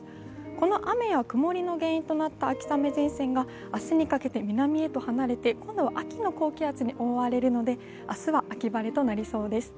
この雨や曇りの原因となった秋雨前線が明日にかけて南へと離れて秋の高気圧に覆われるので明日は秋晴れとなりそうです。